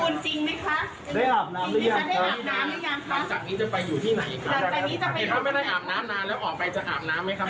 มีอะไรอยากพูดถึงลูกศิษย์ไหมครับ